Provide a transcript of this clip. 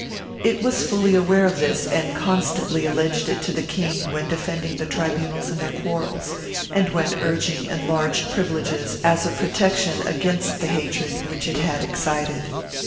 It was fully aware of this and constantly alleged it to the king when defending the tribunals in their quarrels, and when urging enlarged privileges as a protection against the hatred which it had excited.